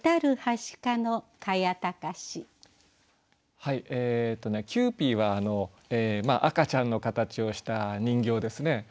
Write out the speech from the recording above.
はいえっとねキューピーは赤ちゃんの形をした人形ですね。